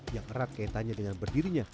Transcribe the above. yang erat kaya tanya dengan berdirinya